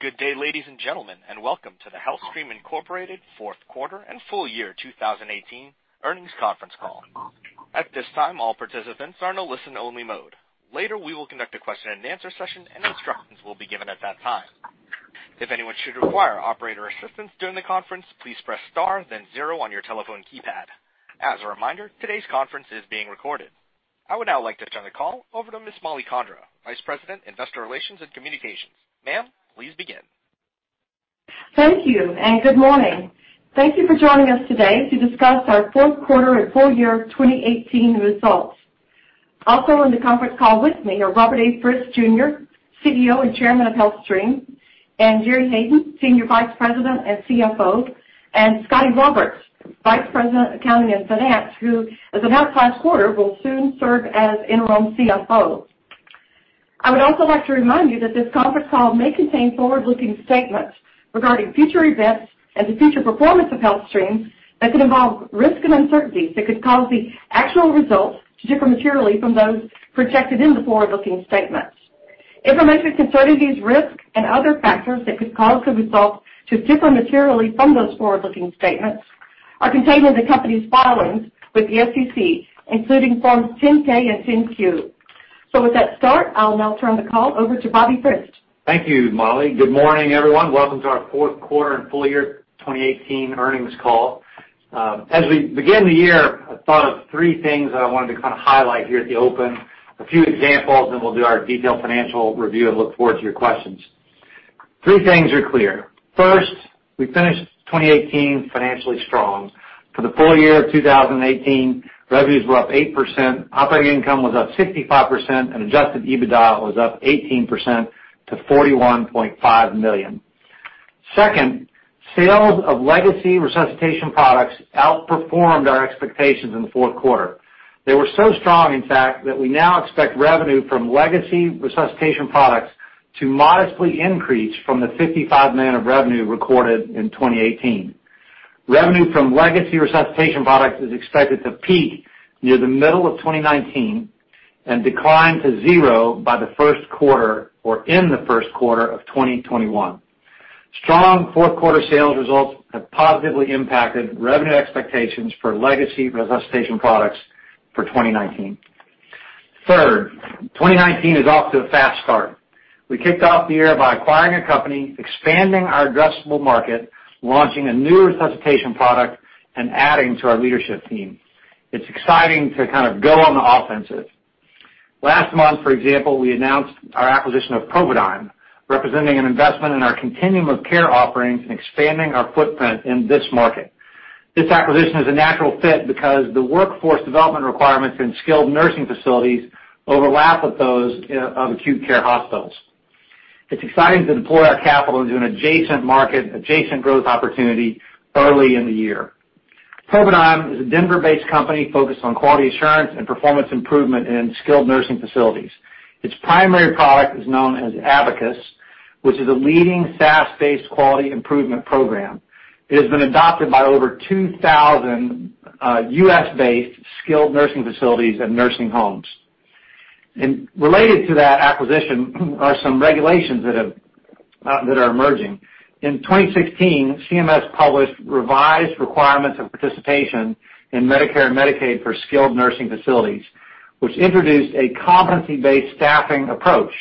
Good day, ladies and gentlemen, and welcome to the HealthStream, Inc. fourth quarter and full year 2018 earnings conference call. At this time, all participants are in a listen-only mode. Later, we will conduct a question and answer session, and instructions will be given at that time. If anyone should require operator assistance during the conference, please press star then zero on your telephone keypad. As a reminder, today's conference is being recorded. I would now like to turn the call over to Ms. Mollie Condra, Vice President, Investor Relations and Communications. Ma'am, please begin. Thank you, and good morning. Thank you for joining us today to discuss our fourth quarter and full year 2018 results. Also on the conference call with me are Robert A. Frist Jr., CEO and Chairman of HealthStream, and Jerry Hayden, Senior Vice President and CFO, and Scottie Roberts, Vice President of Accounting and Finance, who as of last quarter, will soon serve as interim CFO. I would also like to remind you that this conference call may contain forward-looking statements regarding future events and the future performance of HealthStream that could involve risks and uncertainties that could cause the actual results to differ materially from those projected in the forward-looking statements. Information concerning these risks and other factors that could cause the results to differ materially from those forward-looking statements are contained in the company's filings with the SEC, including Forms 10-K and 10-Q. With that start, I'll now turn the call over to Bobby Frist. Thank you, Mollie. Good morning, everyone. Welcome to our fourth quarter and full year 2018 earnings call. As we begin the year, I thought of three things that I wanted to kind of highlight here at the open, a few examples, then we'll do our detailed financial review and look forward to your questions. Three things are clear. First, we finished 2018 financially strong. For the full year of 2018, revenues were up 8%, operating income was up 65%, and adjusted EBITDA was up 18% to $41.5 million. Second, sales of legacy resuscitation products outperformed our expectations in the fourth quarter. They were so strong, in fact, that we now expect revenue from legacy resuscitation products to modestly increase from the $55 million of revenue recorded in 2018. Revenue from legacy resuscitation products is expected to peak near the middle of 2019 and decline to zero by the first quarter or in the first quarter of 2021. Strong fourth quarter sales results have positively impacted revenue expectations for legacy resuscitation products for 2019. Third, 2019 is off to a fast start. We kicked off the year by acquiring a company, expanding our addressable market, launching a new resuscitation product, and adding to our leadership team. It's exciting to kind of go on the offensive. Last month, for example, we announced our acquisition of Providigm, representing an investment in our continuum of care offerings and expanding our footprint in this market. This acquisition is a natural fit because the workforce development requirements in skilled nursing facilities overlap with those of acute care hospitals. It's exciting to deploy our capital into an adjacent market, adjacent growth opportunity early in the year. Providigm is a Denver-based company focused on quality assurance and performance improvement in skilled nursing facilities. Its primary product is known as Abacus, which is a leading SaaS-based quality improvement program. It has been adopted by over 2,000 U.S.-based skilled nursing facilities and nursing homes. Related to that acquisition are some regulations that are emerging. In 2016, CMS published revised requirements of participation in Medicare and Medicaid for skilled nursing facilities, which introduced a competency-based staffing approach.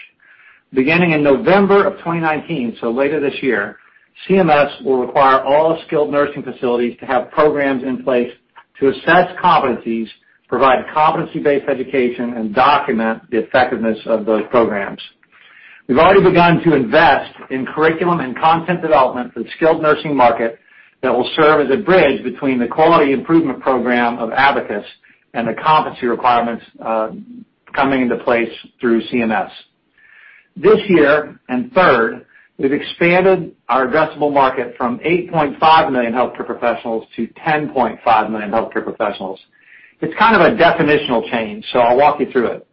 Beginning in November of 2019, so later this year, CMS will require all skilled nursing facilities to have programs in place to assess competencies, provide competency-based education, and document the effectiveness of those programs. We've already begun to invest in curriculum and content development for the skilled nursing market that will serve as a bridge between the quality improvement program of Abacus and the competency requirements coming into place through CMS. This year, third, we've expanded our addressable market from 8.5 million healthcare professionals to 10.5 million healthcare professionals. It's kind of a definitional change, so I'll walk you through it.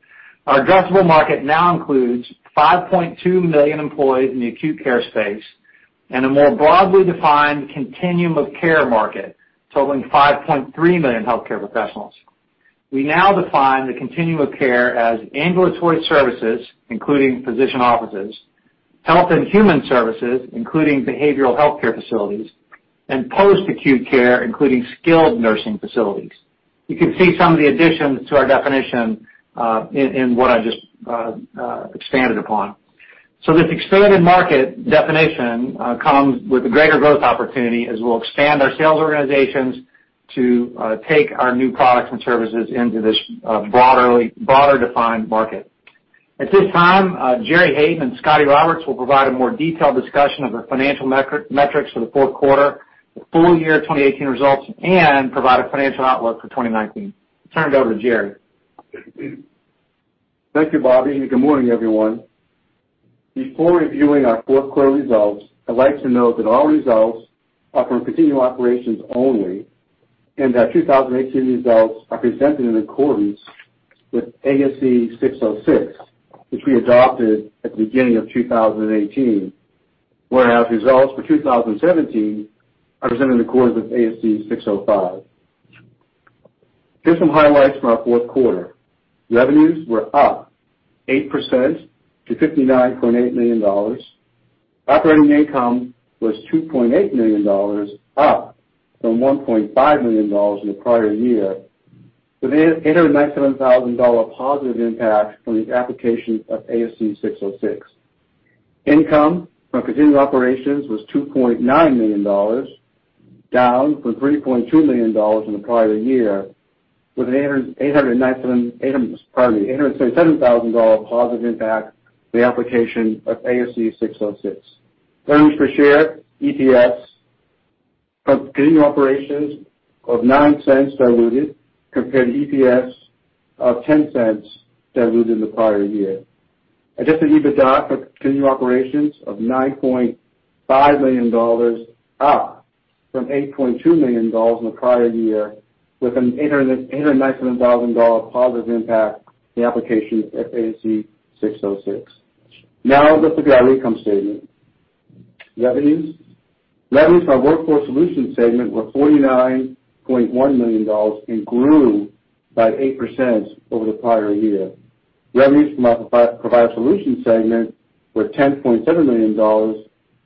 Our addressable market now includes 5.2 million employees in the acute care space and a more broadly defined continuum of care market, totaling 5.3 million healthcare professionals. We now define the continuum of care as ambulatory services, including physician offices, health and human services, including behavioral healthcare facilities, and post-acute care, including skilled nursing facilities. You can see some of the additions to our definition, in what I just expanded upon. This expanded market definition comes with a greater growth opportunity as we'll expand our sales organizations to take our new products and services into this broader defined market. At this time, Jerry Hayden and Scottie Roberts will provide a more detailed discussion of the financial metrics for the fourth quarter, the full year 2018 results, and provide a financial outlook for 2019. I turn it over to Jerry. Thank you, Bobby, and good morning, everyone. Before reviewing our fourth quarter results, I'd like to note that all results are from continuing operations only and our 2018 results are presented in accordance with ASC 606, which we adopted at the beginning of 2018, whereas results for 2017 are presented in accordance with ASC 605. Here's some highlights from our fourth quarter. Revenues were up 8% to $59.8 million. Operating income was $2.8 million, up from $1.5 million in the prior year, with an $897,000 positive impact from the application of ASC 606. Income from continued operations was $2.9 million, down from $3.2 million in the prior year, with an $897,000 positive impact the application of ASC 606. Earnings per share, EPS, from continued operations of $0.09 diluted compared to EPS of $0.10 diluted in the prior year. Adjusted EBITDA for continued operations of $9.5 million, up from $8.2 million in the prior year, with an $897,000 positive impact the application of ASC 606. Let's look at our income statement. Revenues. Revenues from our Workforce Solutions segment were $49.1 million and grew by 8% over the prior year. Revenues from our Provider Solutions segment were $10.7 million,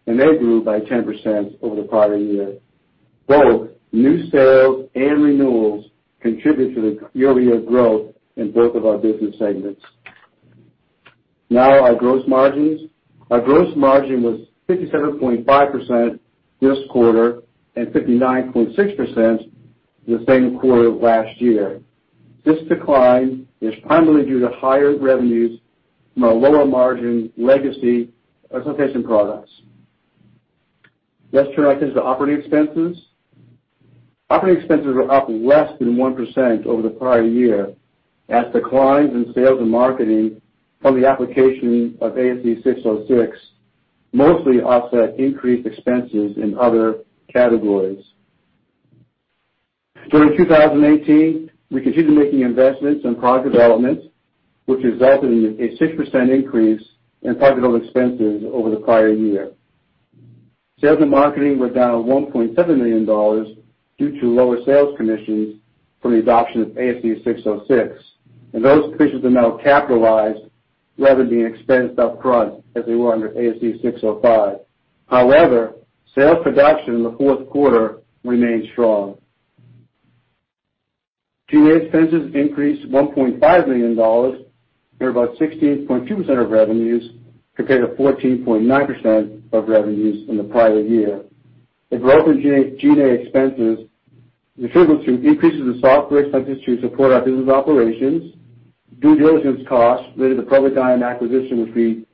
and they grew by 10% over the prior year. Both new sales and renewals contribute to the year-over-year growth in both of our business segments. Our gross margins. Our gross margin was 57.5% this quarter and 59.6% the same quarter last year. This decline is primarily due to higher revenues from our lower margin legacy association products. Let's turn our attention to operating expenses. Operating expenses were up less than 1% over the prior year, as declines in sales and marketing from the application of ASC 606 mostly offset increased expenses in other categories. During 2018, we continued making investments in product development, which resulted in a 6% increase in product development expenses over the prior year. Sales and marketing were down $1.7 million due to lower sales commissions from the adoption of ASC 606, and those commissions are now capitalized rather than being expensed up front as they were under ASC 605. Sales production in the fourth quarter remained strong. G&A expenses increased to $1.5 million or about 16.2% of revenues compared to 14.9% of revenues in the prior year. The growth in G&A expenses is attributable to increases in software expenses to support our business operations, due diligence costs related to the Providigm acquisition, which we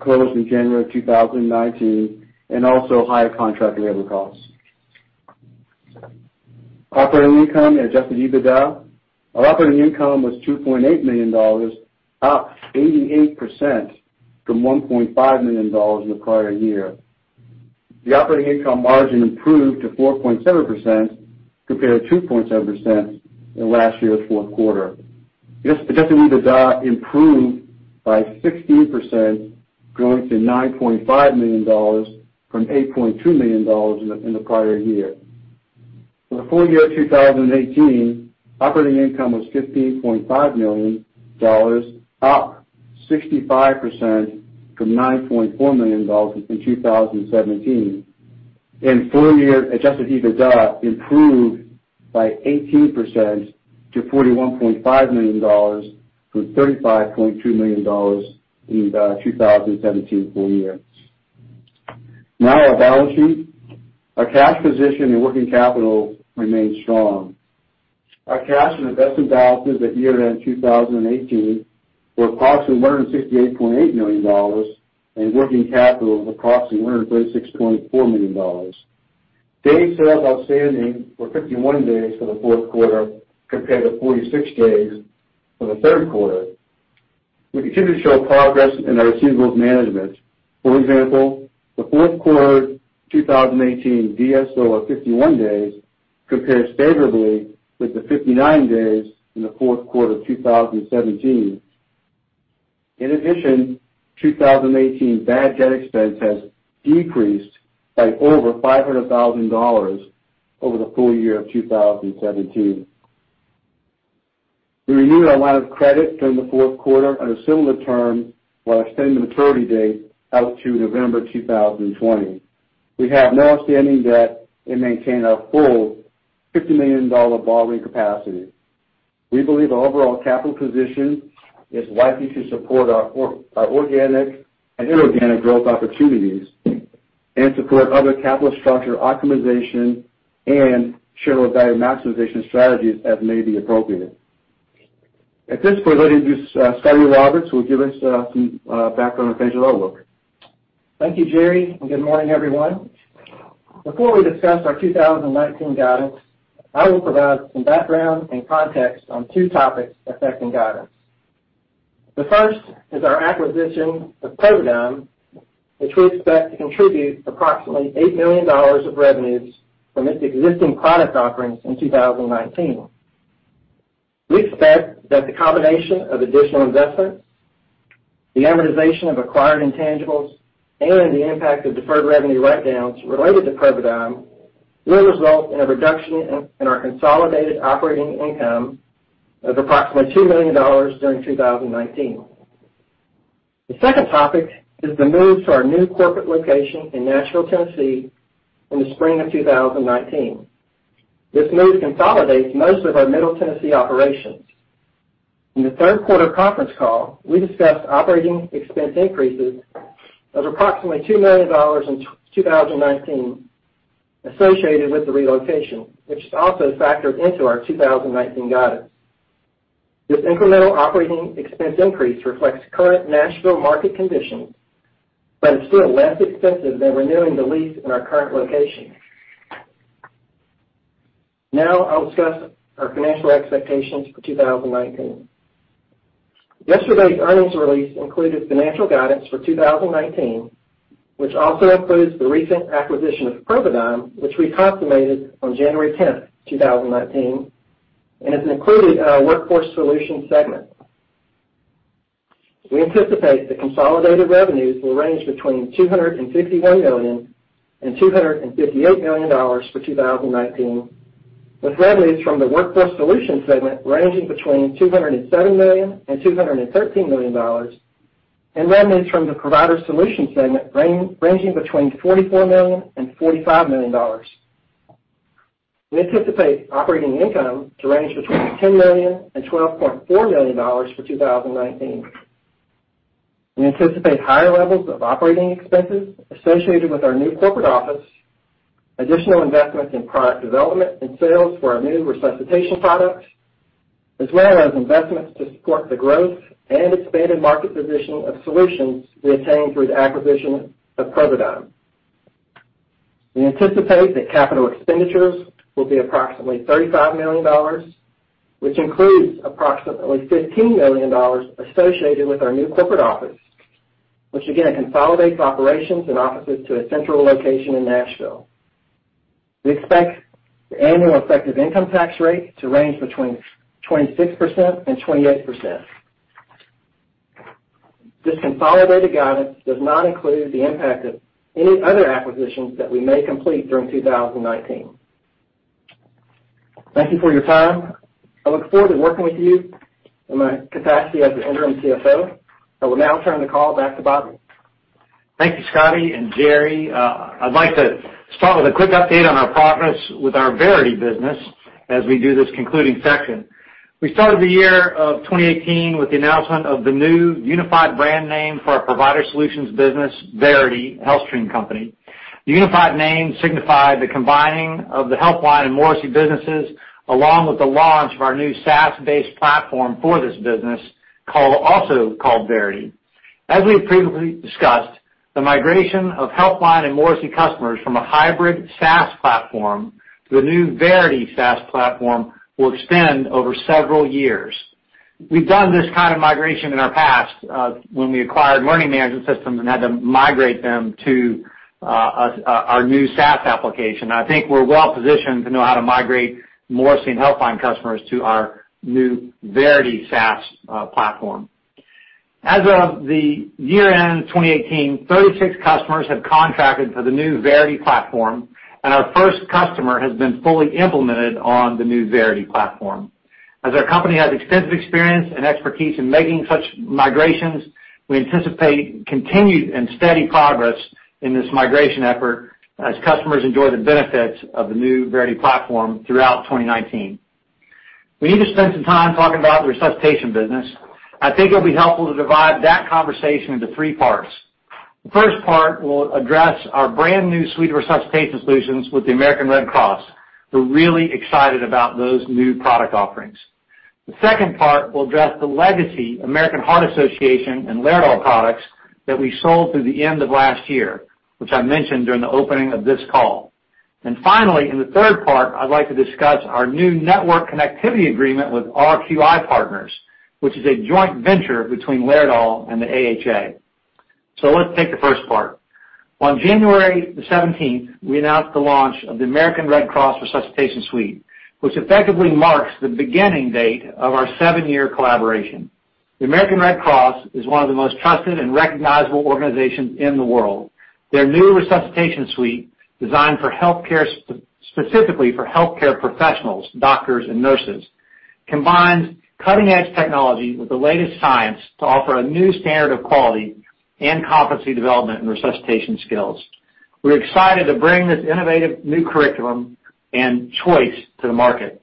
closed in January 2019, and also higher contract labor costs. Operating income and adjusted EBITDA. Our operating income was $2.8 million, up 88% from $1.5 million in the prior year. The operating income margin improved to 4.7% compared to 2.7% in last year's fourth quarter. The adjusted EBITDA improved by 16%, growing to $9.5 million from $8.2 million in the prior year. For the full year 2018, operating income was $15.5 million, up 65% from $9.4 million in 2017. Full year adjusted EBITDA improved by 18% to $41.5 million from $35.2 million in 2017 full year. Our balance sheet. Our cash position and working capital remain strong. Our cash and investment balances at year-end 2018 were approximately $168.8 million, and working capital was approximately $136.4 million. Days sales outstanding were 51 days for the fourth quarter compared to 46 days for the third quarter. We continue to show progress in our receivables management. For example, the fourth quarter 2018 DSO of 51 days compares favorably with the 59 days in the fourth quarter of 2017. In addition, 2018 bad debt expense has decreased by over $500,000 over the full year of 2017. We renewed our line of credit during the fourth quarter on a similar term while extending the maturity date out to November 2020. We have no outstanding debt and maintain a full $50 million borrowing capacity. We believe our overall capital position is likely to support our organic and inorganic growth opportunities and support other capital structure optimization and shareholder value maximization strategies as may be appropriate. At this point, I'll introduce Scotty Roberts, who will give us some background on financial outlook. Thank you, Jerry, and good morning, everyone. Before we discuss our 2019 guidance, I will provide some background and context on two topics affecting guidance. The first is our acquisition of Providigm, which we expect to contribute approximately $8 million of revenues from its existing product offerings in 2019. We expect that the combination of additional investmentThe amortization of acquired intangibles and the impact of deferred revenue write-downs related to Providigm will result in a reduction in our consolidated operating income of approximately $2 million during 2019. The second topic is the move to our new corporate location in Nashville, Tennessee in the spring of 2019. This move consolidates most of our Middle Tennessee operations. In the third quarter conference call, we discussed operating expense increases of approximately $2 million in 2019 associated with the relocation, which is also factored into our 2019 guidance. This incremental operating expense increase reflects current Nashville market conditions, but it's still less expensive than renewing the lease in our current location. Now I'll discuss our financial expectations for 2019. Yesterday's earnings release included financial guidance for 2019, which also includes the recent acquisition of Providigm, which we consummated on January 10th, 2019, and is included in our Workforce Solutions segment. We anticipate the consolidated revenues will range between $251 million and $258 million for 2019, with revenues from the Workforce Solutions segment ranging between $207 million and $213 million, and revenues from the Provider Solutions segment ranging between $44 million and $45 million. We anticipate operating income to range between $10 million and $12.4 million for 2019. We anticipate higher levels of operating expenses associated with our new corporate office, additional investments in product development and sales for our new resuscitation products, as well as investments to support the growth and expanded market position of solutions we attained through the acquisition of Providigm. We anticipate that capital expenditures will be approximately $35 million, which includes approximately $15 million associated with our new corporate office, which again, consolidates operations and offices to a central location in Nashville. We expect the annual effective income tax rate to range between 26%-28%. This consolidated guidance does not include the impact of any other acquisitions that we may complete during 2019. Thank you for your time. I look forward to working with you in my capacity as the interim CFO. I will now turn the call back to Bob. Thank you, Scotty and Jerry. I'd like to start with a quick update on our progress with our Verity business as we do this concluding section. We started the year of 2018 with the announcement of the new unified brand name for our Provider Solutions business, Verity, a HealthStream Company. The unified name signified the combining of the HealthLine and Morrisey businesses, along with the launch of our new SaaS-based platform for this business, also called Verity. As we've previously discussed, the migration of HealthLine and Morrisey customers from a hybrid SaaS platform to the new Verity SaaS platform will extend over several years. We've done this kind of migration in our past, when we acquired learning management systems and had to migrate them to our new SaaS application. I think we're well positioned to know how to migrate Morrisey and HealthLine customers to our new Verity SaaS platform. As of the year-end 2018, 36 customers have contracted for the new Verity platform, and our first customer has been fully implemented on the new Verity platform. As our company has extensive experience and expertise in making such migrations, we anticipate continued and steady progress in this migration effort as customers enjoy the benefits of the new Verity platform throughout 2019. We need to spend some time talking about the resuscitation business. I think it'll be helpful to divide that conversation into three parts. The first part will address our brand-new suite of resuscitation solutions with the American Red Cross. We're really excited about those new product offerings. The second part will address the legacy American Heart Association and Laerdal products that we sold through the end of last year, which I mentioned during the opening of this call. Finally, in the third part, I'd like to discuss our new network connectivity agreement with RQI Partners, which is a joint venture between Laerdal and the AHA. Let's take the first part. On January the 17th, we announced the launch of the American Red Cross Resuscitation Suite, which effectively marks the beginning date of our seven-year collaboration. The American Red Cross is one of the most trusted and recognizable organizations in the world. Their new Resuscitation Suite, designed specifically for healthcare professionals, doctors, and nurses, combines cutting-edge technology with the latest science to offer a new standard of quality and competency development in resuscitation skills. We're excited to bring this innovative new curriculum and choice to the market.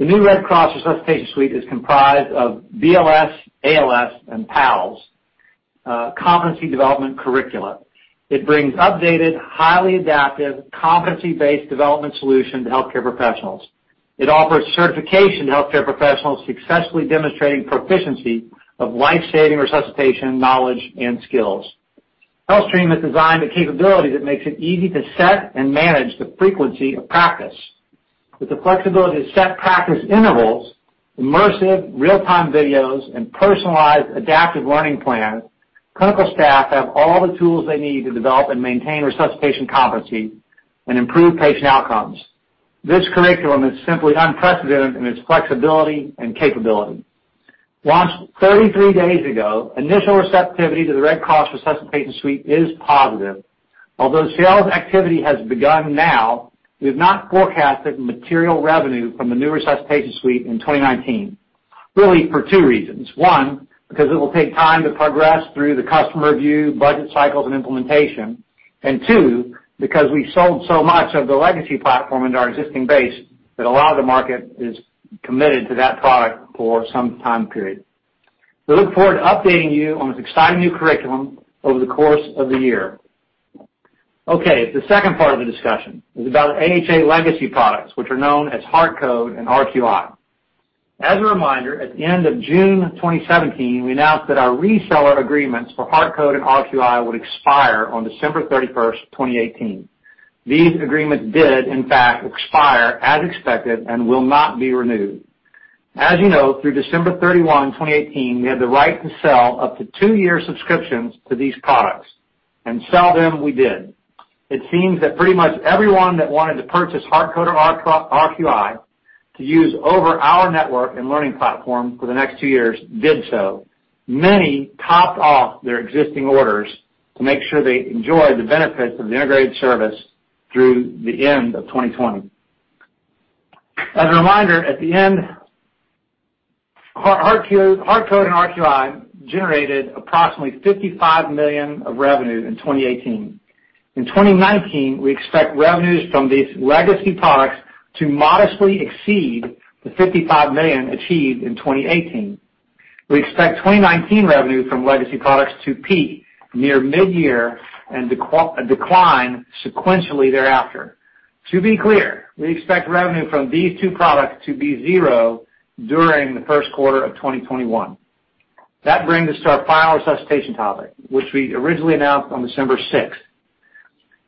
The new Red Cross Resuscitation Suite is comprised of BLS, ALS, and PALS competency development curricula. It brings updated, highly adaptive, competency-based development solution to healthcare professionals. It offers certification to healthcare professionals successfully demonstrating proficiency of life-saving resuscitation knowledge and skills. HealthStream has designed a capability that makes it easy to set and manage the frequency of practice. With the flexibility to set practice intervals, immersive real-time videos, and personalized adaptive learning plan, clinical staff have all the tools they need to develop and maintain resuscitation competency and improve patient outcomes. This curriculum is simply unprecedented in its flexibility and capability. Launched 33 days ago, initial receptivity to the Red Cross Resuscitation Suite is positive. Although sales activity has begun now, we have not forecasted material revenue from the new Resuscitation Suite in 2019, really for two reasons. One, because it will take time to progress through the customer review, budget cycles, and implementation. Two, because we've sold so much of the legacy platform into our existing base that a lot of the market is committed to that product for some time period. We look forward to updating you on this exciting new curriculum over the course of the year. Okay, the second part of the discussion is about AHA legacy products, which are known as HeartCode and RQI. As a reminder, at the end of June 2017, we announced that our reseller agreements for HeartCode and RQI would expire on December 31, 2018. These agreements did, in fact, expire as expected and will not be renewed. As you know, through December 31, 2018, we had the right to sell up to two-year subscriptions to these products, and sell them we did. It seems that pretty much everyone that wanted to purchase HeartCode or RQI to use over our network and learning platform for the next two years did so. Many topped off their existing orders to make sure they enjoy the benefits of the integrated service through the end of 2020. As a reminder, at the end, HeartCode and RQI generated approximately $55 million of revenue in 2018. In 2019, we expect revenues from these legacy products to modestly exceed the $55 million achieved in 2018. We expect 2019 revenue from legacy products to peak near mid-year and decline sequentially thereafter. To be clear, we expect revenue from these two products to be zero during the first quarter of 2021. That brings us to our final resuscitation topic, which we originally announced on December 6.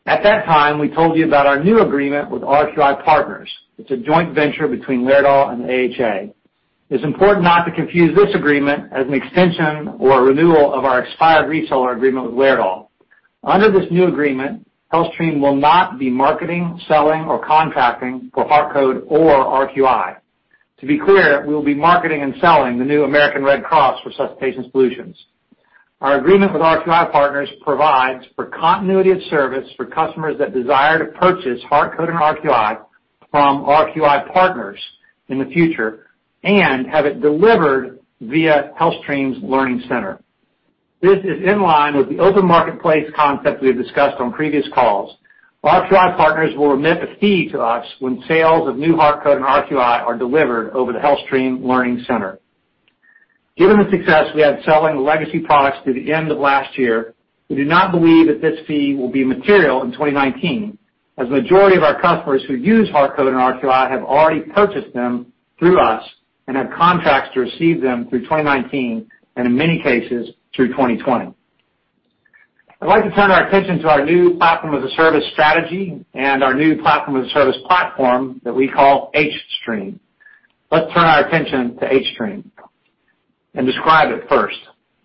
At that time, we told you about our new agreement with RQI Partners. It's a joint venture between Laerdal and the AHA. It's important not to confuse this agreement as an extension or a renewal of our expired reseller agreement with Laerdal. Under this new agreement, HealthStream will not be marketing, selling, or contracting for HeartCode or RQI. To be clear, we will be marketing and selling the new American Red Cross Resuscitation Suite. Our agreement with RQI Partners provides for continuity of service for customers that desire to purchase HeartCode and RQI from RQI Partners in the future and have it delivered via HealthStream Learning Center. This is in line with the open marketplace concept we have discussed on previous calls. RQI Partners will remit a fee to us when sales of new HeartCode and RQI are delivered over the HealthStream Learning Center. Given the success we had selling the legacy products through the end of last year, we do not believe that this fee will be material in 2019, as the majority of our customers who use HeartCode and RQI have already purchased them through us and have contracts to receive them through 2019, and in many cases, through 2020. I'd like to turn our attention to our new Platform as a Service strategy and our new Platform as a Service platform that we call hStream. Let's turn our attention to hStream and describe it first.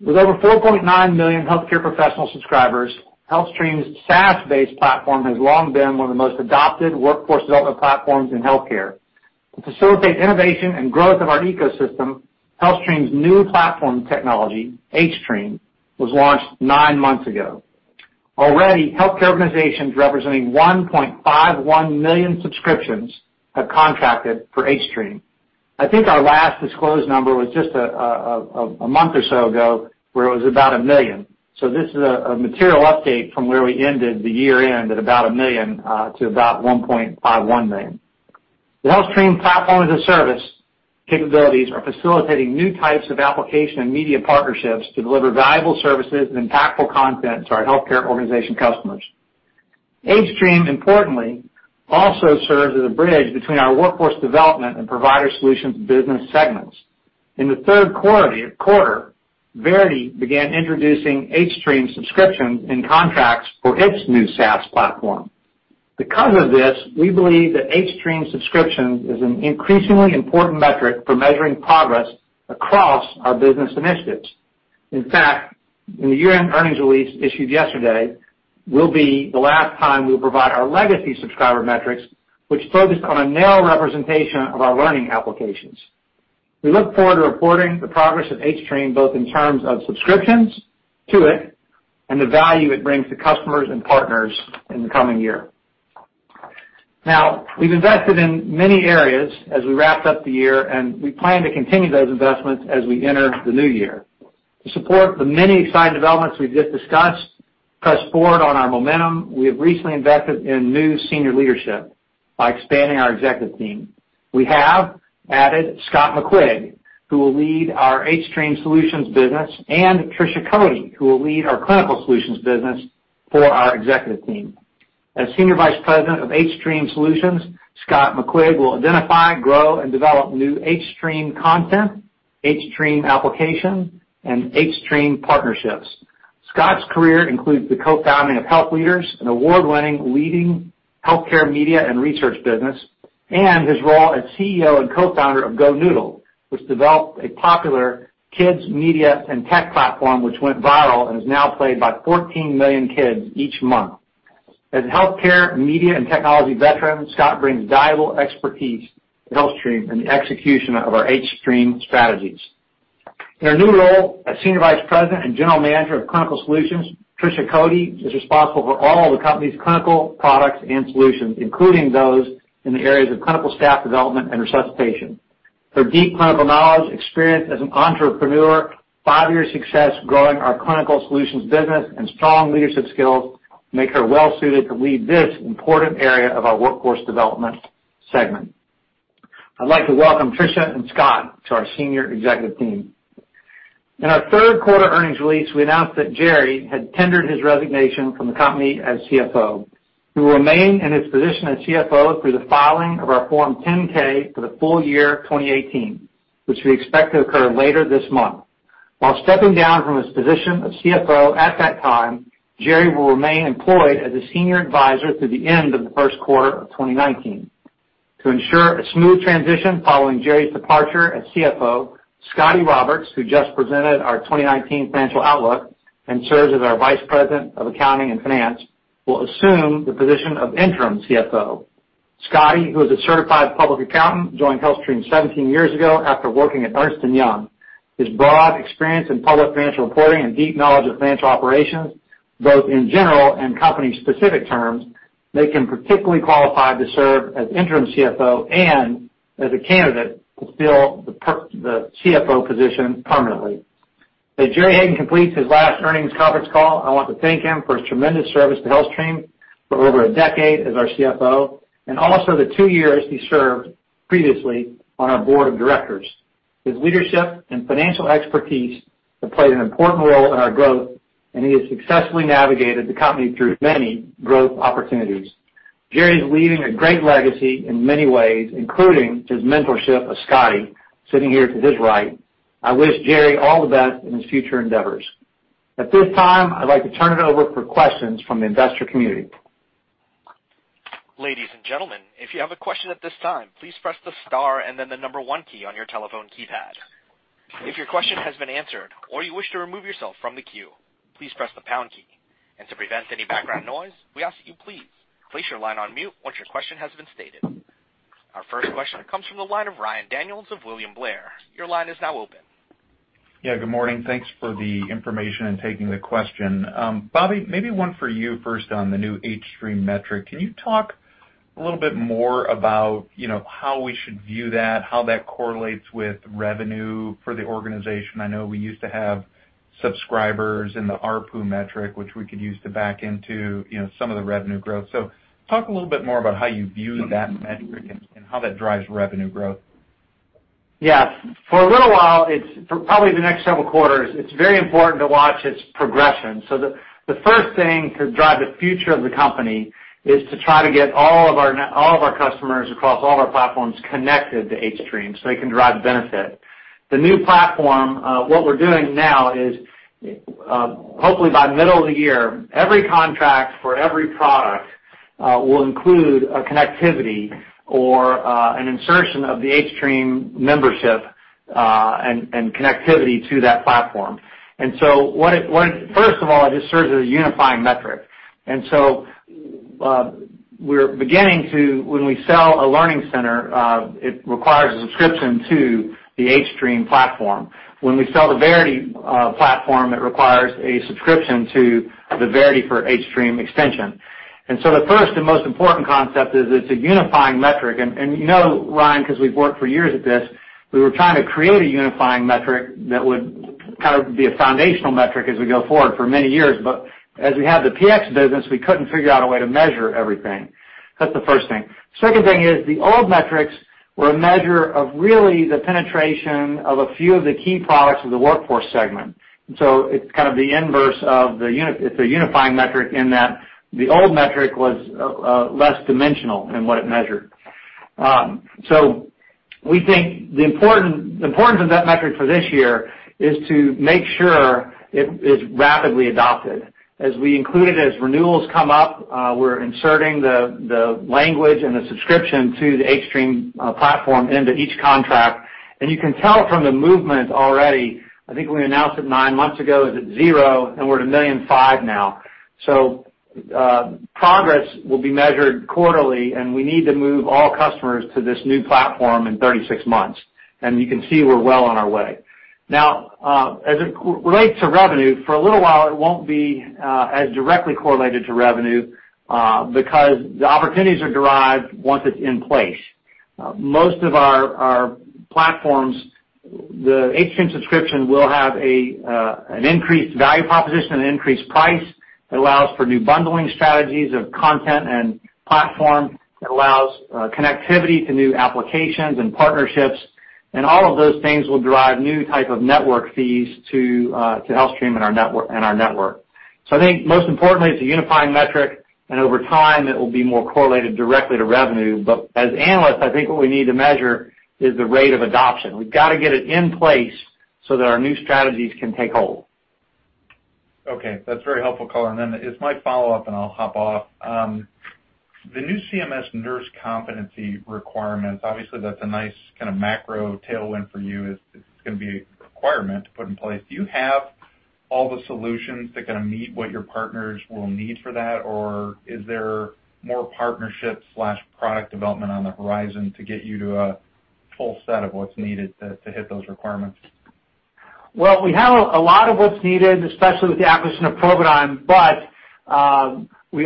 With over 4.9 million healthcare professional subscribers, HealthStream's SaaS-based platform has long been one of the most adopted workforce development platforms in healthcare. To facilitate innovation and growth of our ecosystem, HealthStream's new platform technology, hStream, was launched nine months ago. Already, healthcare organizations representing 1.51 million subscriptions have contracted for hStream. I think our last disclosed number was just a month or so ago, where it was about a million. So this is a material update from where we ended the year-end at about a million to about 1.51 million. The HealthStream Platform as a Service capabilities are facilitating new types of application and media partnerships to deliver valuable services and impactful content to our healthcare organization customers. hStream, importantly, also serves as a bridge between our Workforce Solutions and Provider Solutions business segments. In the third quarter, Verity began introducing hStream subscriptions in contracts for its new SaaS platform. Because of this, we believe that hStream subscriptions is an increasingly important metric for measuring progress across our business initiatives. In fact, in the year-end earnings release issued yesterday will be the last time we will provide our legacy subscriber metrics, which focused on a narrow representation of our learning applications. We look forward to reporting the progress of hStream both in terms of subscriptions to it and the value it brings to customers and partners in the coming year. Now, we've invested in many areas as we wrapped up the year, and we plan to continue those investments as we enter the new year. To support the many exciting developments we've just discussed, press forward on our momentum, we have recently invested in new senior leadership by expanding our executive team. We have added Scott McQuigg, who will lead our hStream Solutions business, and Trisha Coady, who will lead our Clinical Solutions business for our executive team. As Senior Vice President of hStream Solutions, Scott McQuigg will identify, grow, and develop new hStream content, hStream application, and hStream partnerships. Scott's career includes the co-founding of HealthLeaders, an award-winning leading healthcare media and research business, and his role as CEO and co-founder of GoNoodle, which developed a popular kids' media and tech platform, which went viral and is now played by 14 million kids each month. As a healthcare, media, and technology veteran, Scott brings valuable expertise to HealthStream in the execution of our hStream strategies. In her new role as Senior Vice President and General Manager of Clinical Solutions, Trisha Coady is responsible for all the company's clinical products and solutions, including those in the areas of clinical staff development and resuscitation. Her deep clinical knowledge, experience as an entrepreneur, five-year success growing our Clinical Solutions business, and strong leadership skills make her well-suited to lead this important area of our Workforce Solutions segment. I'd like to welcome Trisha and Scott to our senior executive team. In our third quarter earnings release, we announced that Jerry had tendered his resignation from the company as CFO. He will remain in his position as CFO through the filing of our Form 10-K for the full year 2018, which we expect to occur later this month. While stepping down from his position as CFO at that time, Jerry will remain employed as a senior advisor through the end of the first quarter of 2019. To ensure a smooth transition following Jerry's departure as CFO, Scotty Roberts, who just presented our 2019 financial outlook and serves as our Vice President of Accounting and Finance, will assume the position of interim CFO. Scotty, who is a certified public accountant, joined HealthStream 17 years ago after working at Ernst & Young. His broad experience in public financial reporting and deep knowledge of financial operations, both in general and company-specific terms, make him particularly qualified to serve as interim CFO and as a candidate to fill the CFO position permanently. As Jerry Hayden completes his last earnings conference call, I want to thank him for his tremendous service to HealthStream for over a decade as our CFO and also the two years he served previously on our board of directors. His leadership and financial expertise have played an important role in our growth, and he has successfully navigated the company through many growth opportunities. Jerry is leaving a great legacy in many ways, including his mentorship of Scotty, sitting here to his right. I wish Jerry all the best in his future endeavors. At this time, I'd like to turn it over for questions from the investor community. Ladies and gentlemen, if you have a question at this time, please press the star and then the number one key on your telephone keypad. If your question has been answered or you wish to remove yourself from the queue, please press the pound key. To prevent any background noise, we ask that you please place your line on mute once your question has been stated. Our first question comes from the line of Ryan Daniels of William Blair. Your line is now open. Yeah, good morning. Thanks for the information and taking the question. Bobby, maybe one for you first on the new hStream metric. Can you talk a little bit more about how we should view that, how that correlates with revenue for the organization? I know we used to have subscribers in the ARPU metric, which we could use to back into some of the revenue growth. Talk a little bit more about how you view that metric and how that drives revenue growth. Yeah. For a little while, for probably the next several quarters, it is very important to watch its progression. The first thing to drive the future of the company is to try to get all of our customers across all our platforms connected to hStream so they can drive benefit. The new platform, what we are doing now is, hopefully by middle of the year, every contract for every product will include a connectivity or an insertion of the hStream membership, and connectivity to that platform. First of all, it just serves as a unifying metric. We are beginning to, when we sell a HealthStream Learning Center, it requires a subscription to the hStream platform. When we sell the VerityStream platform, it requires a subscription to the VerityStream for hStream extension. The first and most important concept is it is a unifying metric. You know, Ryan, because we have worked for years at this, we were trying to create a unifying metric that would kind of be a foundational metric as we go forward for many years. But as we have the PX business, we couldn't figure out a way to measure everything. That is the first thing. Second thing is the old metrics were a measure of really the penetration of a few of the key products of the Workforce Solutions segment. It is kind of the inverse of the unifying metric in that the old metric was less dimensional in what it measured. We think the importance of that metric for this year is to make sure it is rapidly adopted. As we include it, as renewals come up, we are inserting the language and the subscription to the hStream platform into each contract. You can tell from the movement already, I think we announced it 9 months ago, it was at zero, and we are at 1,000,005 now. Progress will be measured quarterly, and we need to move all customers to this new platform in 36 months. You can see we are well on our way. Now, as it relates to revenue, for a little while, it won't be as directly correlated to revenue, because the opportunities are derived once it is in place. Most of our platforms, the hStream subscription will have an increased value proposition, an increased price. It allows for new bundling strategies of content and platform. It allows connectivity to new applications and partnerships. All of those things will drive new type of network fees to HealthStream and our network. I think most importantly, it is a unifying metric, and over time, it will be more correlated directly to revenue. But as analysts, I think what we need to measure is the rate of adoption. We have got to get it in place so that our new strategies can take hold. Okay. That's very helpful, Colin. As my follow-up, I'll hop off. The new CMS nurse competency requirements, obviously, that's a nice kind of macro tailwind for you. It's going to be a requirement to put in place. Do you have all the solutions that are going to meet what your partners will need for that? Is there more partnership/product development on the horizon to get you to a full set of what's needed to hit those requirements? Well, we have a lot of what's needed, especially with the acquisition of Providigm, as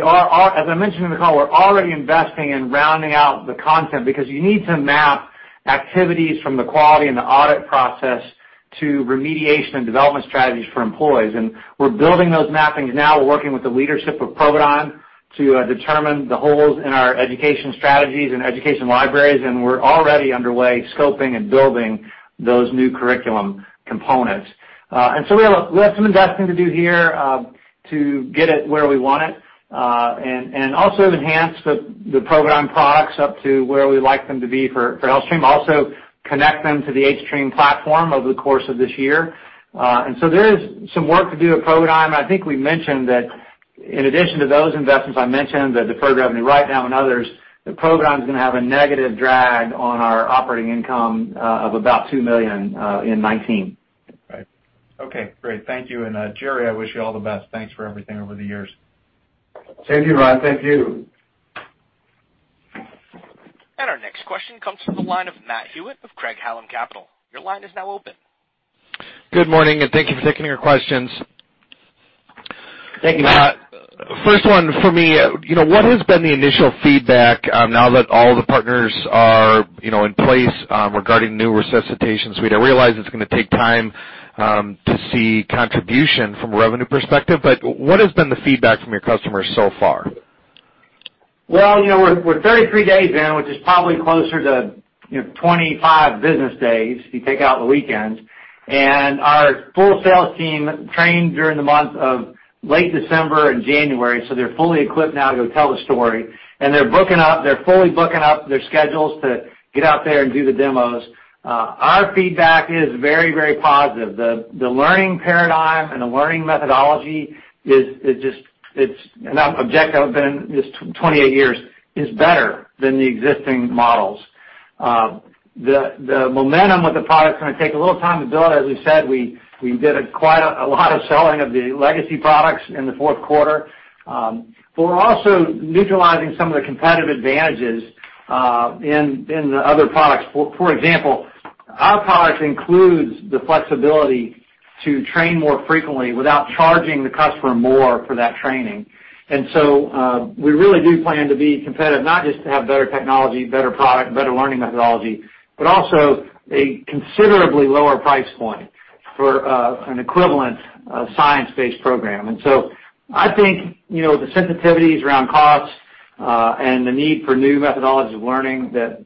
I mentioned in the call, we're already investing in rounding out the content, because you need to map activities from the quality and the audit process to remediation and development strategies for employees. We're building those mappings now. We're working with the leadership of Providigm to determine the holes in our education strategies and education libraries, we're already underway scoping and building those new curriculum components. We have some investing to do here to get it where we want it, and also enhance the Providigm products up to where we like them to be for HealthStream. Also, connect them to the hStream platform over the course of this year. There is some work to do at Providigm, and I think we mentioned that in addition to those investments, I mentioned the deferred revenue write-down and others, that Providigm's going to have a negative drag on our operating income of about $2 million in 2019. Right. Okay, great. Thank you. Jerry, I wish you all the best. Thanks for everything over the years. Thank you, Ryan. Thank you. Our next question comes from the line of Matthew Hewitt of Craig-Hallum Capital. Your line is now open. Good morning, thank you for taking our questions. Thank you, Matthew. First one for me, what has been the initial feedback now that all the partners are in place regarding new Resuscitation Suite? I realize it's going to take time to see contribution from a revenue perspective, but what has been the feedback from your customers so far? Well, we're 33 days in, which is probably closer to 25 business days if you take out the weekends. Our full sales team trained during the month of late December and January, They're fully equipped now to go tell the story, They're fully booking up their schedules to get out there and do the demos. Our feedback is very positive. The learning paradigm and the learning methodology is just, I've been in this 28 years, is better than the existing models. The momentum with the product's going to take a little time to build. As we said, we did quite a lot of selling of the legacy products in the fourth quarter. We're also neutralizing some of the competitive advantages in the other products. For example, our products includes the flexibility to train more frequently without charging the customer more for that training. We really do plan to be competitive, not just to have better technology, better product, better learning methodology, but also a considerably lower price point for an equivalent science-based program. I think, the sensitivities around costs, and the need for new methodologies of learning that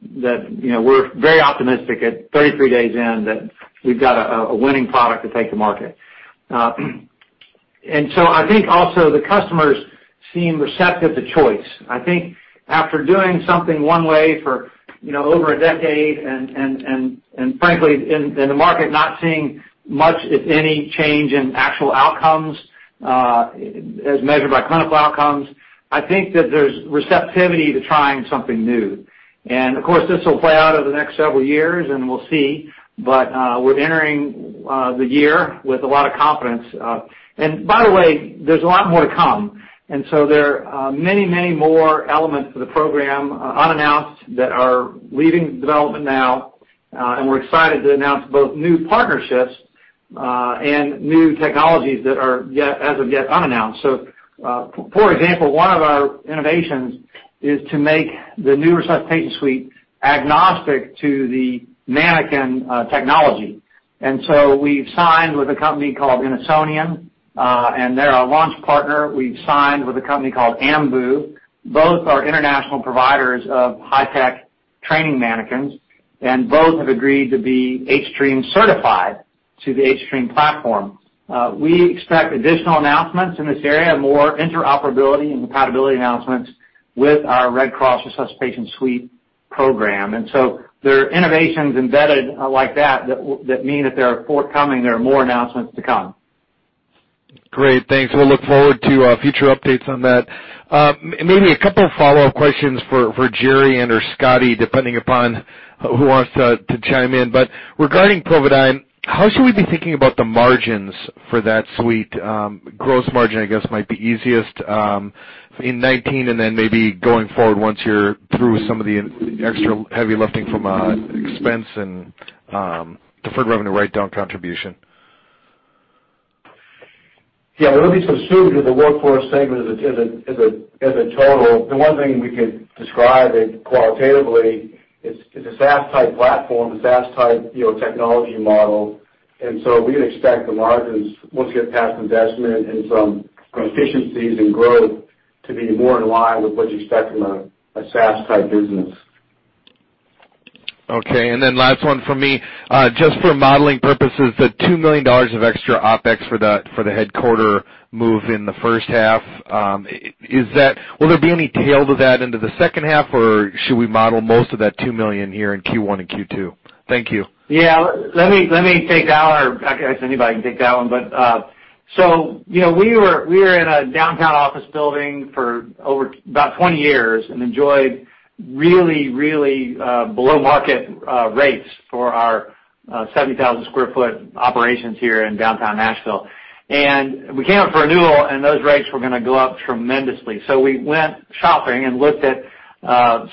we're very optimistic at 33 days in that we've got a winning product to take to market. I think also the customers seem receptive to choice. I think after doing something one way for over a decade, and frankly, in the market, not seeing much, if any, change in actual outcomes, as measured by clinical outcomes, I think that there's receptivity to trying something new. Of course, this will play out over the next several years and we'll see, but we're entering the year with a lot of confidence. By the way, there's a lot more to come. There are many more elements to the program unannounced that are leaving development now. We're excited to announce both new partnerships, and new technologies that are as of yet unannounced. For example, one of our innovations is to make the new Resuscitation Suite agnostic to the mannequin technology. We've signed with a company called Innosonian, and they're our launch partner. We've signed with a company called Ambu. Both are international providers of high-tech training mannequins, and both have agreed to be hStream certified to the hStream platform. We expect additional announcements in this area, more interoperability and compatibility announcements with our Red Cross Resuscitation Suite program. There are innovations embedded like that mean that they are forthcoming. There are more announcements to come. Great. Thanks. We'll look forward to future updates on that. Maybe a couple follow-up questions for Jerry and/or Scotty, depending upon who wants to chime in. Regarding Providigm, how should we be thinking about the margins for that suite? Gross margin, I guess, might be easiest, in 2019 and then maybe going forward once you're through some of the extra heavy lifting from an expense and deferred revenue write-down contribution. Let me just assume that the Workforce Solutions segment as a total, the one thing we could describe it qualitatively is a SaaS type platform, a SaaS type technology model. We'd expect the margins once we get past investment and some efficiencies and growth to be more in line with what you expect from a SaaS type business. Last one from me. Just for modeling purposes, the $2 million of extra OpEx for the headquarter move in the first half, will there be any tail to that into the second half, or should we model most of that $2 million here in Q1 and Q2? Thank you. Let me take that one, or I guess anybody can take that one. We were in a downtown office building for about 20 years and enjoyed really below-market rates for our 70,000 sq ft operations here in downtown Nashville. We came up for renewal, and those rates were going to go up tremendously. We went shopping and looked at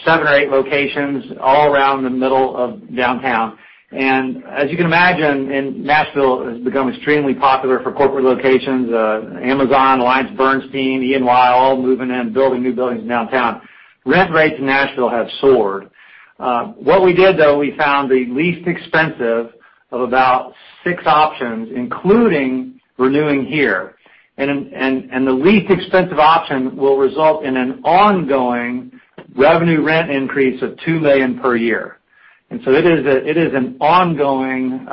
seven or eight locations all around the middle of downtown. As you can imagine, Nashville has become extremely popular for corporate locations. Amazon, AllianceBernstein, EY, all moving in, building new buildings downtown. Rent rates in Nashville have soared. What we did, though, we found the least expensive of about six options, including renewing here. The least expensive option will result in an ongoing revenue rent increase of $2 million per year. It is an ongoing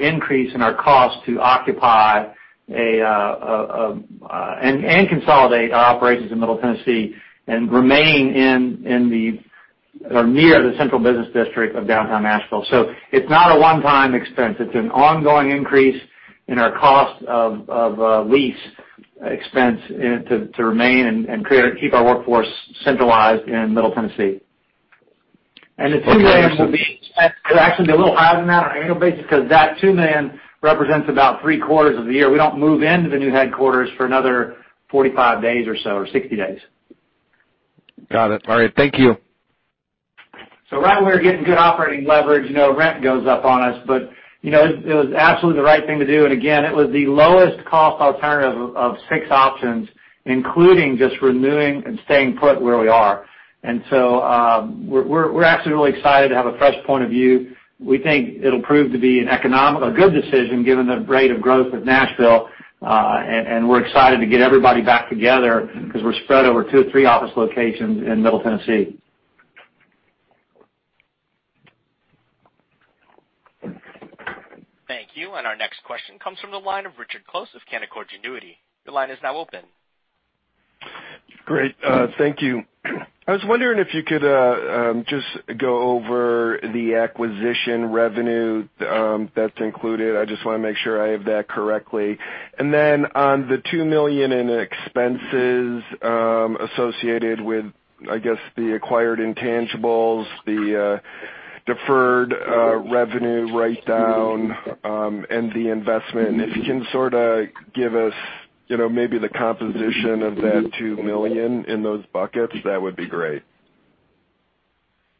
increase in our cost to occupy and consolidate our operations in Middle Tennessee and remain near the central business district of downtown Nashville. It's not a one-time expense. It's an ongoing increase in our cost of lease expense to remain and keep our workforce centralized in Middle Tennessee. The $2 million will be spent. It will actually be a little higher than that on an annual basis because that $2 million represents about three-quarters of the year. We don't move into the new headquarters for another 45 days or so, or 60 days. Got it. All right. Thank you. Right when we were getting good operating leverage, rent goes up on us. It was absolutely the right thing to do. Again, it was the lowest cost alternative of six options, including just renewing and staying put where we are. We're actually really excited to have a fresh point of view. We think it will prove to be a good decision given the rate of growth of Nashville. We're excited to get everybody back together because we're spread over two or three office locations in Middle Tennessee. Thank you. Our next question comes from the line of Richard Close of Canaccord Genuity. Your line is now open. Great. Thank you. I was wondering if you could just go over the acquisition revenue that's included. I just want to make sure I have that correctly. On the $2 million in expenses associated with, I guess, the acquired intangibles, the deferred revenue write-down, and the investment. If you can sort of give us maybe the composition of that $2 million in those buckets, that would be great.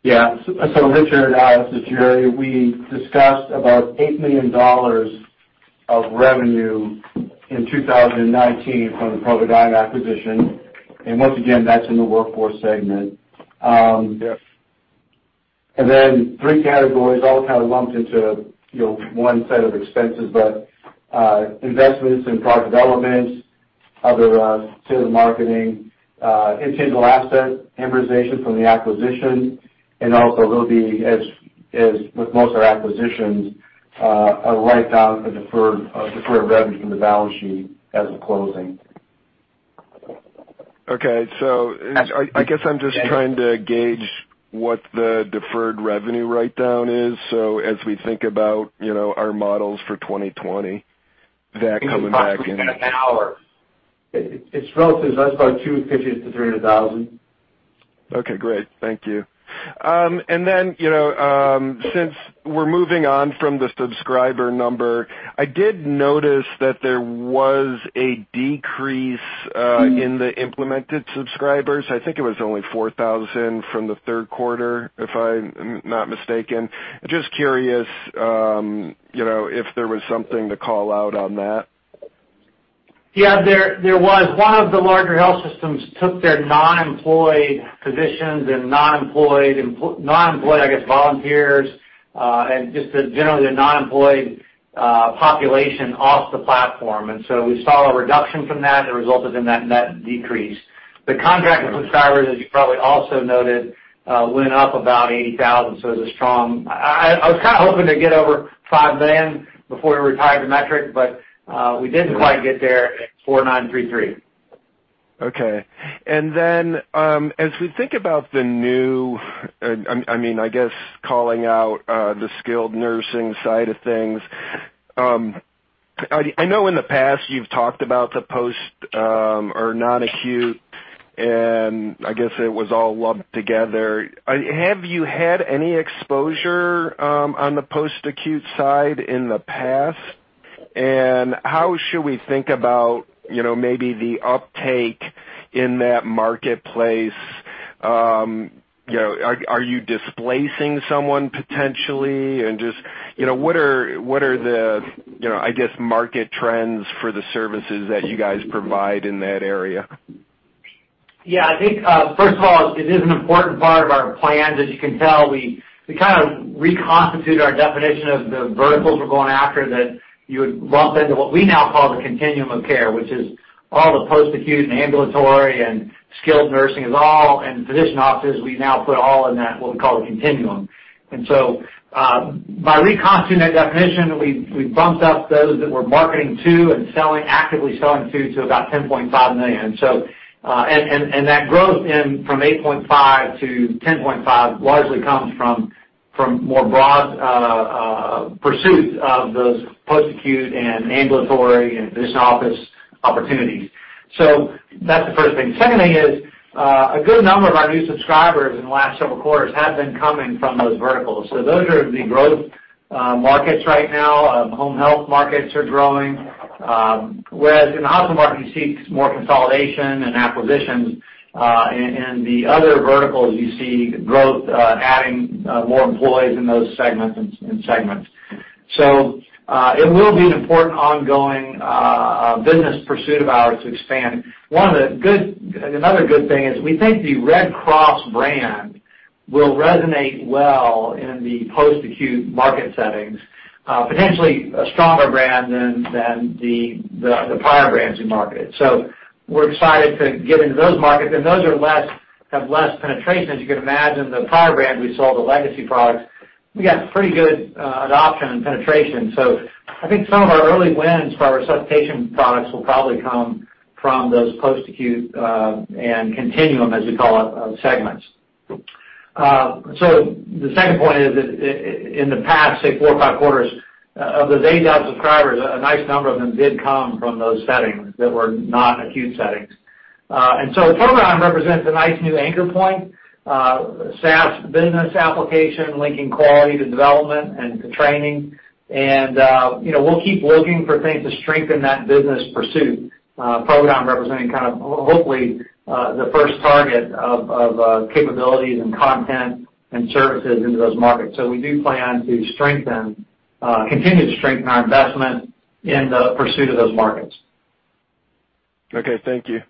Richard, this is Jerry. We discussed about $8 million of revenue in 2019 from the Providigm acquisition. Once again, that's in the Workforce segment. Yes. 3 categories all kind of lumped into one set of expenses. Investments in product development, other sales and marketing, intangible asset amortization from the acquisition, and also there'll be, as with most of our acquisitions, a write-down of the deferred revenue from the balance sheet as of closing. Okay. I guess I'm just trying to gauge what the deferred revenue write-down is. As we think about our models for 2020, that coming back in. It's about 250,000 to 300,000. Okay, great. Thank you. Since we're moving on from the subscriber number, I did notice that there was a decrease in the implemented subscribers. I think it was only 4,000 from the third quarter, if I'm not mistaken. Just curious if there was something to call out on that. Yeah, there was. One of the larger health systems took their non-employed physicians and non-employed volunteers, and just generally their non-employed population off the platform. We saw a reduction from that that resulted in that net decrease. The contracted subscribers, as you probably also noted, went up about 80,000. I was kind of hoping to get over $5 million before we retired the metric, but we didn't quite get there at 4,933 million. Okay. I guess calling out the skilled nursing side of things. I know in the past you've talked about the post or non-acute, and I guess it was all lumped together. Have you had any exposure on the post-acute side in the past? How should we think about maybe the uptake in that marketplace? Are you displacing someone potentially? Just, what are the market trends for the services that you guys provide in that area? I think first of all, it is an important part of our plans. As you can tell, we kind of reconstituted our definition of the verticals we're going after that you would lump into what we now call the continuum of care, which is all the post-acute and ambulatory and skilled nursing, and physician offices. We now put all in that, what we call the continuum. By reconstituting that definition, we've bumped up those that we're marketing to and actively selling to about $10.5 million. That growth from $8.5 million to $10.5 million largely comes from more broad pursuit of those post-acute and ambulatory and physician office opportunities. That's the first thing. Second thing is, a good number of our new subscribers in the last several quarters have been coming from those verticals. Those are the growth markets right now. Home health markets are growing, whereas in the hospital market, you see more consolidation and acquisitions. In the other verticals, you see growth, adding more employees in those segments. It will be an important ongoing business pursuit of ours to expand. Another good thing is we think the Red Cross brand will resonate well in the post-acute market settings, potentially a stronger brand than the prior brands we marketed. We're excited to get into those markets, and those have less penetration. As you can imagine, the prior brands we sold, the legacy products, we got pretty good adoption and penetration. I think some of our early wins for our resuscitation products will probably come from those post-acute, and continuum, as we call it, segments. The second point is that in the past, say four or five quarters, of those 8,000 subscribers, a nice number of them did come from those settings that were not acute settings. Providigm represents a nice new anchor point, SaaS business application, linking quality to development and to training. We'll keep looking for things to strengthen that business pursuit, Providigm representing kind of, hopefully, the first target of capabilities and content and services into those markets. We do plan to continue to strengthen our investment in the pursuit of those markets. Thank you.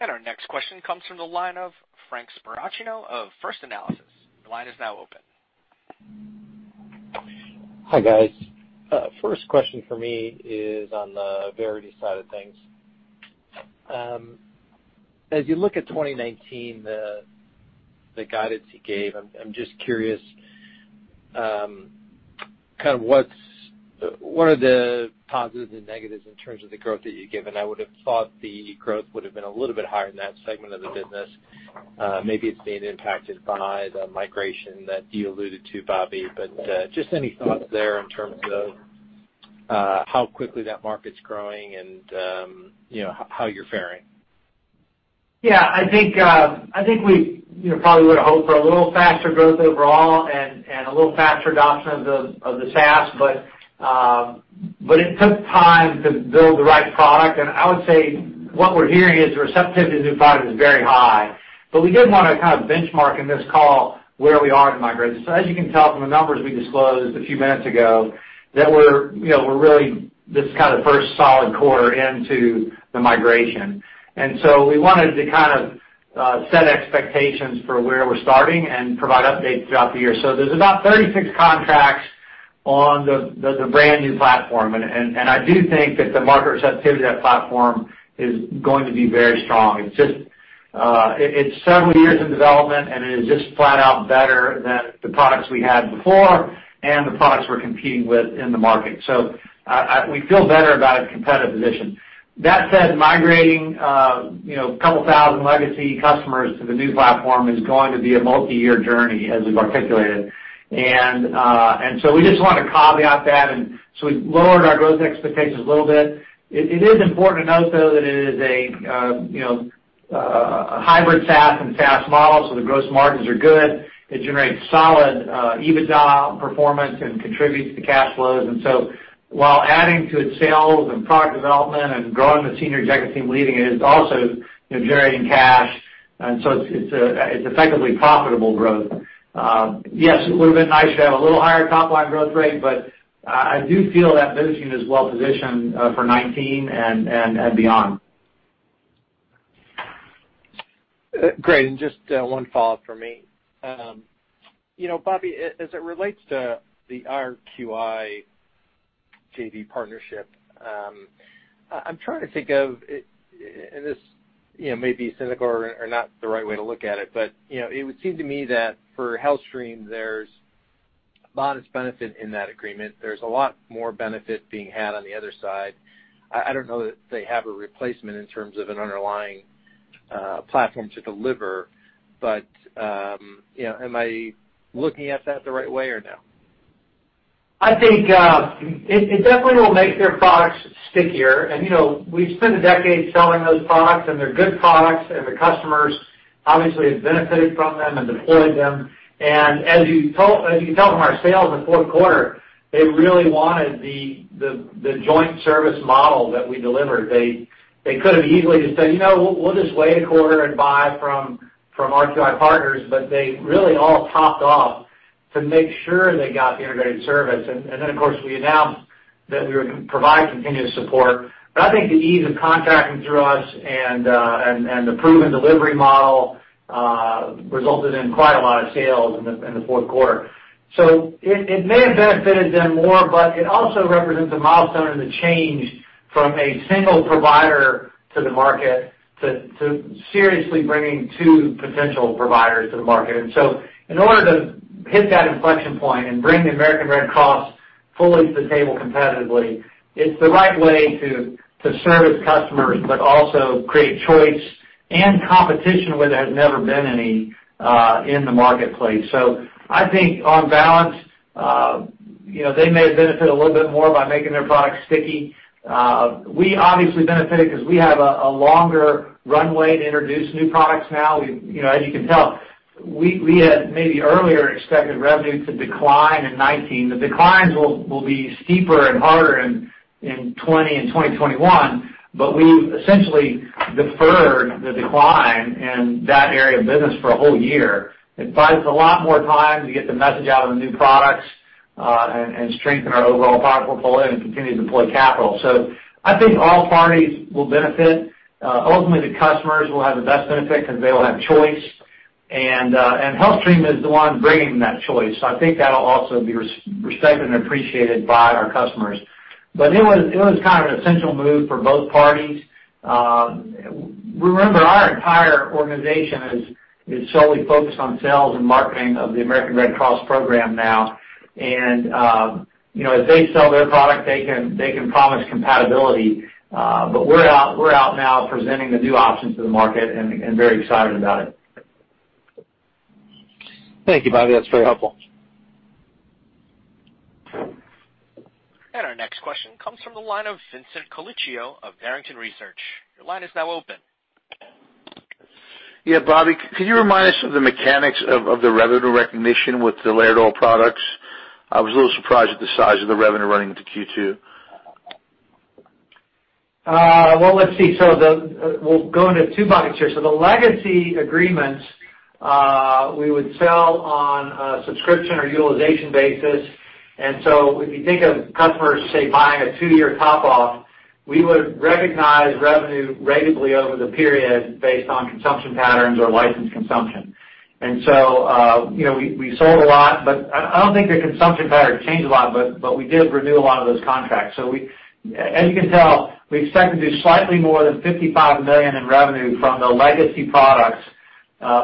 Our next question comes from the line of Frank Sparacino of First Analysis. Your line is now open. Hi, guys. First question for me is on the VerityStream side of things. As you look at 2019, the guidance you gave, I'm just curious, what are the positives and negatives in terms of the growth that you've given? I would've thought the growth would've been a little bit higher in that segment of the business. Maybe it's being impacted by the migration that you alluded to, Bobby, but just any thoughts there in terms of how quickly that market's growing and how you're faring? I think we probably would've hoped for a little faster growth overall and a little faster adoption of the SaaS, but it took time to build the right product. I would say, what we're hearing is the receptivity to the new product is very high, but we did want to kind of benchmark in this call where we are in the migration. As you can tell from the numbers we disclosed a few minutes ago, that this is kind of first solid quarter into the migration. We wanted to set expectations for where we're starting and provide updates throughout the year. There's about 36 contracts on the brand new platform, I do think that the market receptivity to that platform is going to be very strong. It's several years of development, it is just flat out better than the products we had before and the products we're competing with in the market. We feel better about its competitive position. That said, migrating a couple thousand legacy customers to the new platform is going to be a multi-year journey, as we've articulated. We just wanted to caveat that, we lowered our growth expectations a little bit. It is important to note, though, that it is a hybrid SaaS and PaaS model, so the gross margins are good. It generates solid EBITDA performance and contributes to cash flows. While adding to its sales and product development and growing the senior executive team leading it is also generating cash. It's effectively profitable growth. Yes, it would've been nice to have a little higher top-line growth rate, but I do feel that business unit is well positioned for 2019 and beyond. Great. Just one follow-up from me. Bobby, as it relates to the RQI JV partnership, I'm trying to think of. This may be cynical or not the right way to look at it, but it would seem to me that for HealthStream, there's modest benefit in that agreement. There's a lot more benefit being had on the other side. I don't know that they have a replacement in terms of an underlying platform to deliver, but am I looking at that the right way or no? I think it definitely will make their products stickier. We've spent a decade selling those products, and they're good products, and the customers obviously have benefited from them and deployed them. As you can tell from our sales in the fourth quarter, they really wanted the joint service model that we delivered. They could've easily just said, "We'll just wait a quarter and buy from RQI Partners," but they really all topped off to make sure they got the integrated service. Then, of course, we announced that we were going to provide continuous support. I think the ease of contracting through us and the proven delivery model resulted in quite a lot of sales in the fourth quarter. It may have benefited them more, but it also represents a milestone in the change from a single provider to the market to seriously bringing two potential providers to the market. In order to hit that inflection point and bring the American Red Cross fully to the table competitively. It's the right way to serve its customers, but also create choice and competition where there has never been any in the marketplace. I think on balance, they may have benefited a little bit more by making their products sticky. We obviously benefited because we have a longer runway to introduce new products now. As you can tell, we had maybe earlier expected revenue to decline in 2019. The declines will be steeper and harder in 2020 and 2021, but we've essentially deferred the decline in that area of business for a whole year. It buys a lot more time to get the message out on the new products, strengthen our overall product portfolio and continue to deploy capital. I think all parties will benefit. Ultimately, the customers will have the best benefit because they will have choice, and HealthStream is the one bringing that choice. I think that will also be respected and appreciated by our customers. It was kind of an essential move for both parties. Remember, our entire organization is solely focused on sales and marketing of the American Red Cross program now. As they sell their product, they can promise compatibility. We are out now presenting the new options to the market and very excited about it. Thank you, Bobby. That is very helpful. Our next question comes from the line of Vincent Colicchio of Barrington Research. Your line is now open. Bobby, could you remind us of the mechanics of the revenue recognition with the Laerdal products? I was a little surprised at the size of the revenue running into Q2. Well, let's see. We'll go into two buckets here. The legacy agreements, we would sell on a subscription or utilization basis. If you think of customers, say, buying a two-year top-off, we would recognize revenue ratably over the period based on consumption patterns or license consumption. We sold a lot, but I don't think the consumption pattern changed a lot, but we did renew a lot of those contracts. As you can tell, we expect to do slightly more than $55 million in revenue from the legacy products,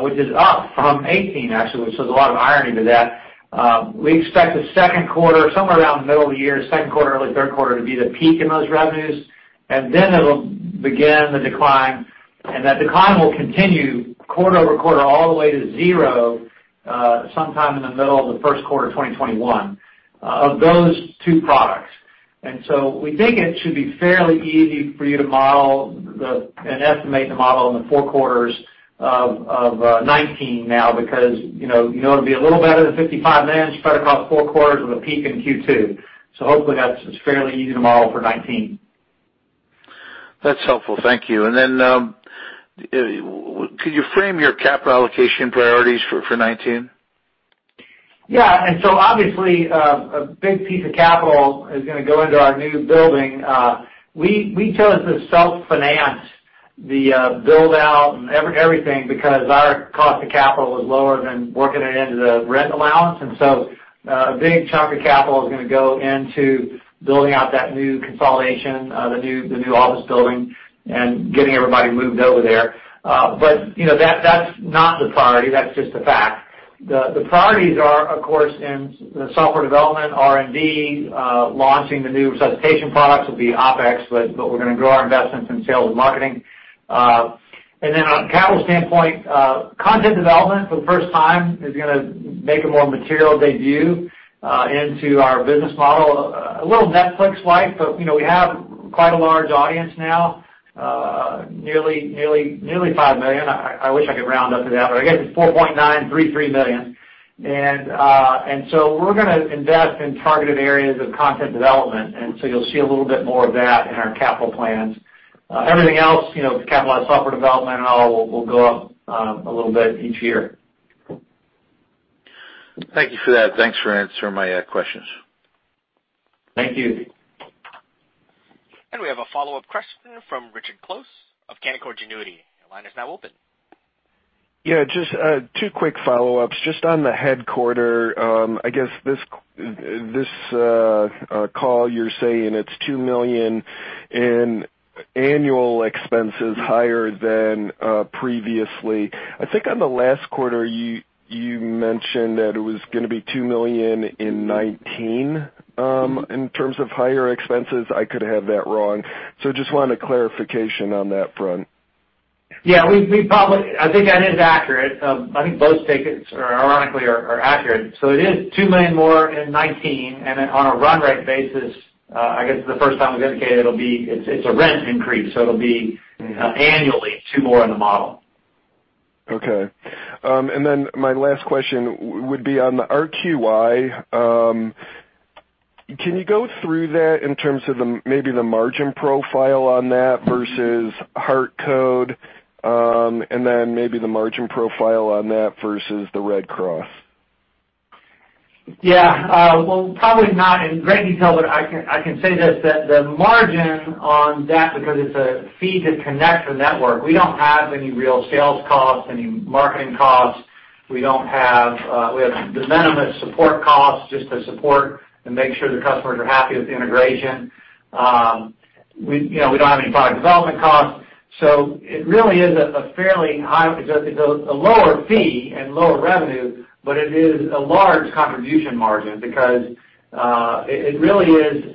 which is up from 2018 actually, there's a lot of irony to that. We expect the second quarter, somewhere around the middle of the year, second quarter, early third quarter to be the peak in those revenues. It'll begin the decline, and that decline will continue quarter-over-quarter all the way to zero, sometime in the middle of the first quarter of 2021, of those two products. We think it should be fairly easy for you to model and estimate the model in the four quarters of 2019 now, because you know it'll be a little better than $55 million spread across four quarters with a peak in Q2. Hopefully, that's fairly easy to model for 2019. That's helpful. Thank you. Could you frame your capital allocation priorities for 2019? Yeah. Obviously, a big piece of capital is going to go into our new building. We chose to self-finance the build-out and everything because our cost of capital was lower than working it into the rent allowance. A big chunk of capital is going to go into building out that new consolidation, the new office building and getting everybody moved over there. That's not the priority, that's just a fact. The priorities are, of course, in the software development, R&D, launching the new resuscitation products will be OpEx, but we're going to grow our investments in sales and marketing. On a capital standpoint, content development for the first time is going to make a more material debut into our business model. A little Netflix-like, but we have quite a large audience now, nearly 5 million. I wish I could round up to that, but I guess it's $4.933 million. We're going to invest in targeted areas of content development, you'll see a little bit more of that in our capital plans. Everything else, the capitalized software development and all will go up a little bit each year. Thank you for that. Thanks for answering my questions. Thank you. We have a follow-up question from Richard Close of Canaccord Genuity. Your line is now open. Yeah, just two quick follow-ups. Just on the headquarters, I guess this call, you're saying it's $2 million in annual expenses higher than previously. I think on the last quarter, you mentioned that it was going to be $2 million in 2019, in terms of higher expenses, I could have that wrong. Just wanted clarification on that front. Yeah. I think that is accurate. I think both takes ironically are accurate. It is $2 million more in 2019, on a run rate basis, I guess the first time we've indicated it's a rent increase, it'll be annually $2 more in the model. Okay. My last question would be on the RQI. Can you go through that in terms of maybe the margin profile on that versus HeartCode, and then maybe the margin profile on that versus the Red Cross? Yeah. Well, probably not in great detail, but I can say this, that the margin on that, because it's a fee to connect the network, we don't have any real sales costs, any marketing costs. We have de minimis support costs just to support and make sure the customers are happy with the integration. We don't have any product development costs. It really is a lower fee and lower revenue, but it is a large contribution margin because it really is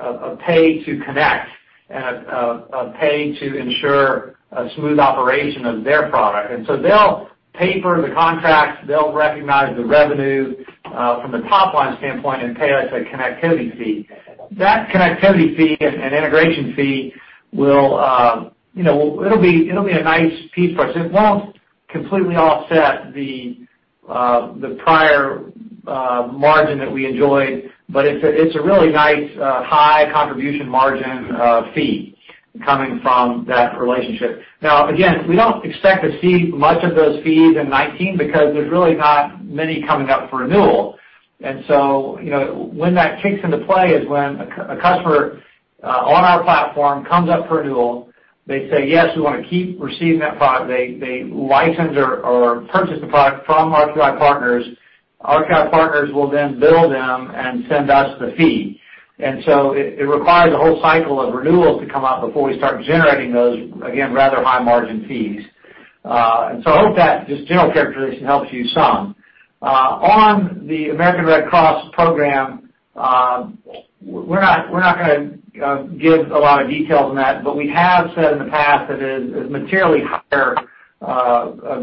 a pay to connect and a pay to ensure a smooth operation of their product. They'll paper the contracts, they'll recognize the revenue from the top line standpoint and pay us a connectivity fee. That connectivity fee and integration fee, it'll be a nice piece for us. It won't completely offset the prior margin that we enjoyed, but it's a really nice, high contribution margin fee coming from that relationship. Now, again, we don't expect to see much of those fees in 2019 because there's really not many coming up for renewal. When that kicks into play is when a customer on our platform comes up for renewal. They say, "Yes, we want to keep receiving that product." They license or purchase the product from RQI Partners. RQI Partners will then bill them and send us the fee. It requires a whole cycle of renewals to come out before we start generating those, again, rather high margin fees. I hope that this general characterization helps you some. On the American Red Cross program, we're not going to give a lot of details on that, but we have said in the past that it is materially higher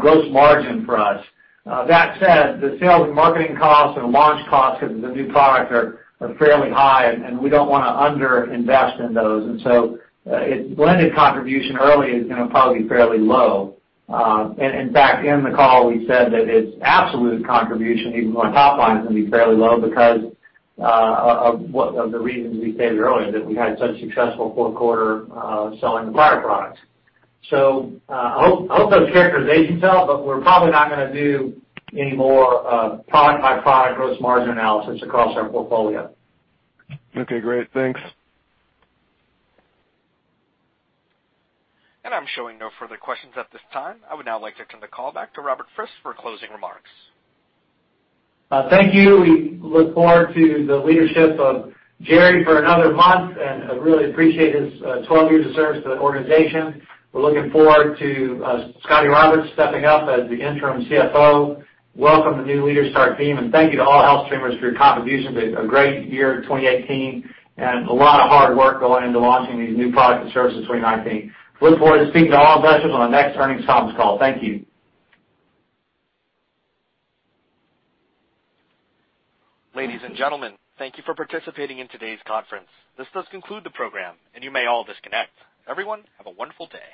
gross margin for us. That said, the sales and marketing costs and launch costs of the new product are fairly high, and we don't want to under-invest in those. Its blended contribution early is going to probably be fairly low. In fact, in the call, we said that its absolute contribution, even on top line, is going to be fairly low because of the reasons we stated earlier, that we had such a successful fourth quarter selling the prior product. I hope those characterizations help, but we're probably not going to do any more product-by-product gross margin analysis across our portfolio. Okay, great. Thanks. I'm showing no further questions at this time. I would now like to turn the call back to Robert Frist for closing remarks. Thank you. We look forward to the leadership of Jerry for another month, I really appreciate his 12 years of service to the organization. We're looking forward to Scottie Roberts stepping up as the interim CFO. Welcome to new leader star team, thank you to all HealthStreamers for your contribution to a great year 2018, a lot of hard work going into launching these new products and services in 2019. Look forward to speaking to all investors on the next earnings conference call. Thank you. Ladies and gentlemen, thank you for participating in today's conference. This does conclude the program, you may all disconnect. Everyone, have a wonderful day.